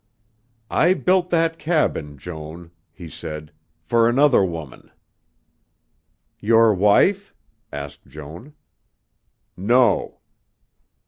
"I built that cabin, Joan," he said, "for another woman." "Your wife?" asked Joan. "No."